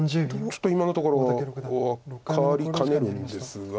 ちょっと今のところ分かりかねるんですが。